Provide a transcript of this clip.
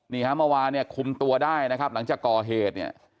นี่ฮะเมื่อวานเนี่ยคุมตัวได้นะครับหลังจากก่อเหตุเนี่ย